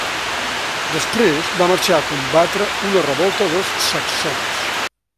Després, va marxar a combatre una revolta dels saxons.